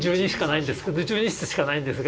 １２室しかないんですが。